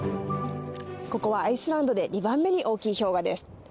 ここはアイスランドで２番目に大きい氷河です。